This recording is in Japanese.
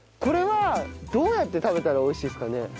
これはどうやって食べたら美味しいですかね？